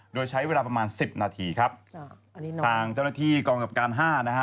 โดยใช้เวลาประมาณสิบนาทีครับทางเจ้าหน้าที่กองกับการห้านะฮะ